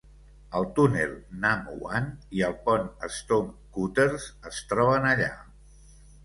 El túnel Nam Wan i el pont Stonecutters es troben allà.